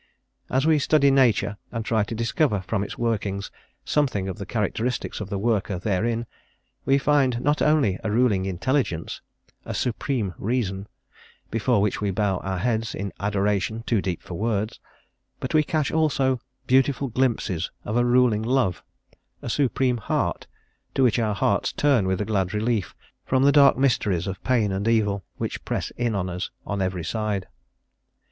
As we study Nature and try to discover from its workings something of the characteristics of the Worker therein, we find not only a ruling Intelligence a Supreme Reason, before which we bow our heads in an adoration too deep for words but we catch also beautiful glimpses of a ruling Love a Supreme Heart, to which our hearts turn with a glad relief from the dark mysteries of pain and evil which press us in on every side.